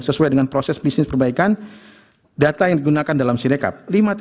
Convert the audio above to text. sesuai dengan peraturan perundangan